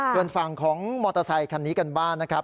ส่วนฝั่งของมอเตอร์ไซคันนี้กันบ้างนะครับ